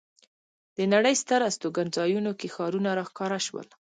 د نړۍ ستر استوګنځایونو کې ښارونه را ښکاره شول.